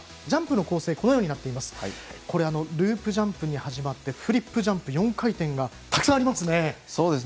ジャンプの構成はこのようになっていますがループジャンプに始まりフリップジャンプ４回転がたくさんありますね。